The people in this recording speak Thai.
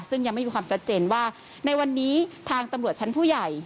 ซึ่งยังไม่มีความชัดเจนว่าในวันนี้ทางตำรวจชั้นผู้ใหญ่